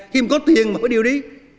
khi mà có tiền mà phải điều đi